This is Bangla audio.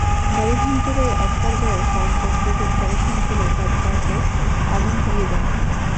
গাড়ি ভাঙচুরের একপর্যায়ে কয়েকজন যুবক কেরোসিন ঢেলে তাঁর ট্রাকে আগুন ধরিয়ে দেন।